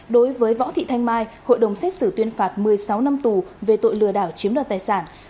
đối với võ thị thanh mai hội đồng xét xử tuyên phạt một mươi sáu năm tù về tội lừa đảo chiếm đoạt tài sản